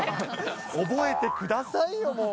覚えてくださいよ。